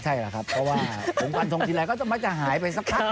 ใช่เหรอครับเพราะว่าฟุตปอนด์ทองที่ไหนก็จะมักจะหายไปสักพัน